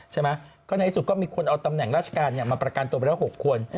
ใช่ไหมก็ในที่สุดก็มีคนเอาตำแหน่งราชการมาประกันตัวไปแล้ว๖คน